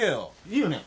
いいよね？